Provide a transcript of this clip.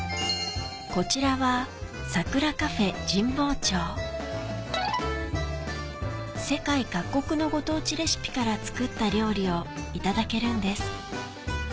こちらは世界各国のご当地レシピから作った料理をいただけるんです